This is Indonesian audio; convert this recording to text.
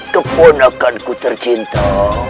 keponakan ku tercinta